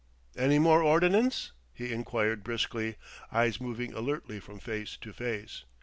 "Any more ordnance?" he inquired briskly, eyes moving alertly from face to face.